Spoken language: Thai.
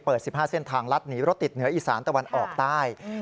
๑๕เส้นทางลัดหนีรถติดเหนืออีสานตะวันออกใต้